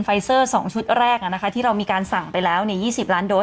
ฟัซเซอร์สองชุดแรกอ่ะนะคะที่เรามีการสั่งไปแล้วนี่หยี่สิบล้านโด้ส